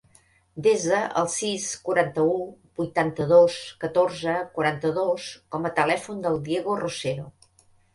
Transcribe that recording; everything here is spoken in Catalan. Desa el sis, quaranta-u, vuitanta-dos, catorze, quaranta-dos com a telèfon del Diego Rosero.